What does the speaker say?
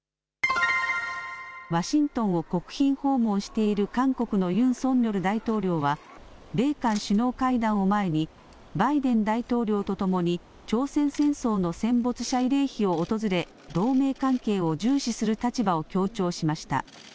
ワシントンを国賓訪問している韓国のユン・ソンニョル大統領は、米韓首脳会談を前に、バイデン大統領と共に、朝鮮戦争の戦没者慰霊碑を訪れ、同盟関係を重視する立場を強調しました。